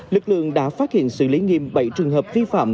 lực lượng đã phát hiện xử lý nghiêm bảy trường hợp vi phạm